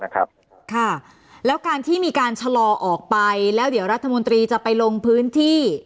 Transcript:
ค่ะแล้วการที่มีการชะลอออกไปแล้วเดี๋ยวรัฐมนตรีจะไปลงพื้นที่